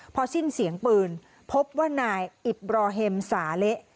พอสิ้นเสียงปืนพบว่านายอิบบรอเฮมสาเละ